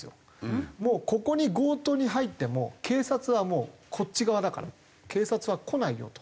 ここに強盗に入っても警察はもうこっち側だから警察は来ないよと。